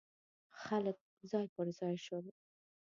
خلک ځای پر ځای شول.